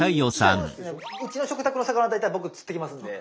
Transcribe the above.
うちの食卓の魚は大体僕釣ってきますんで。